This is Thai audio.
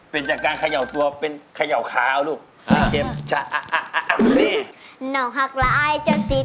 เป็นจากการเขย่าตัวเป็นเขย่าขาลูกไม่เก็บช้ำนี่